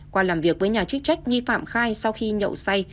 qua làm việc với nhà chức trách nghi phạm khai sau khi nhậu say